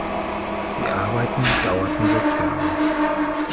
Die Arbeiten dauerten sechs Jahre.